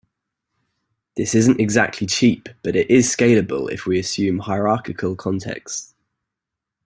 This isn't exactly cheap, but it is scalable if we assume hierarchical contexts.